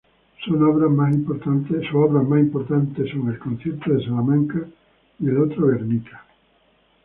Sus obras más importantes son "El concierto de Salamanca" y "El otro Guernica".